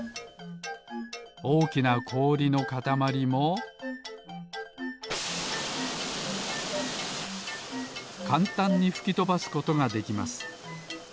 おおきなこおりのかたまりもかんたんにふきとばすことができます。